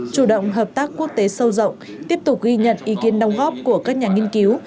chủ động hợp tác quốc tế sâu rộng tiếp tục ghi nhận ý kiến đồng góp của các nhà nghiên cứu